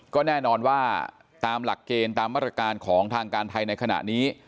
ก็แน่นอนว่าตามหลักเกณฑ์ตามมาตรการของทางการไทยในขณะนี้